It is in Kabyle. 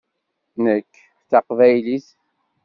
Nekk d taqbaylit.